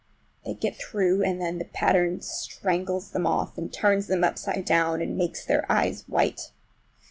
They get through, and then the pattern strangles them off and turns them upside down, and makes their eyes white!